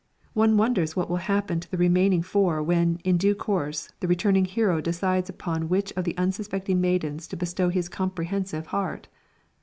One wonders what will happen to the remaining four when, in due course, the returning hero decides upon which of the unsuspecting maidens to bestow his comprehensive heart!